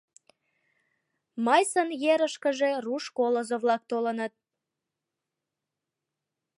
Мыйсын ерышкыже руш колызо-влак толыныт.